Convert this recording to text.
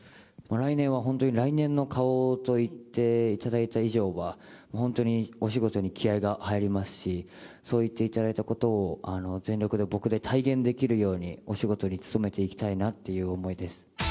来年は本当、来年の顔と言っていただいた以上は、本当にお仕事に気合いが入りますし、そう言っていただいたことを全力で、僕で体現できるように、お仕事に努めていきたいなという思いです。